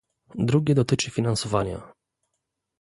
Drugie dotyczy finansowania